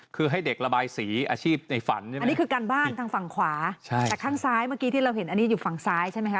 คือให้เด็กระบายสีอาชีพในฝันใช่ไหมอันนี้คือการบ้านทางฝั่งขวาใช่แต่ข้างซ้ายเมื่อกี้ที่เราเห็นอันนี้อยู่ฝั่งซ้ายใช่ไหมคะ